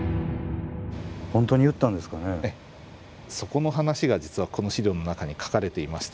そこの話が実はこの資料の中に書かれていまして。